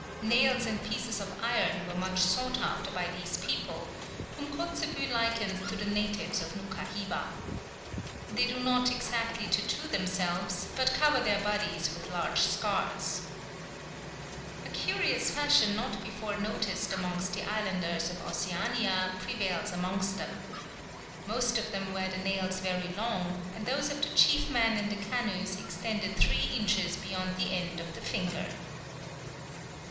Nails and pieces of iron were much sought after by these people, whom Kotzebue likens to the natives of Noukha Hiva. They do not exactly tatoo themselves, but cover their bodies with large scars. [Illustration: "In the twinkling of an eye the canoes were empty."] A curious fashion not before noticed amongst the islanders of Oceania prevails amongst them. Most of them wear the nails very long, and those of the chief men in the canoes extended three inches beyond the end of the finger.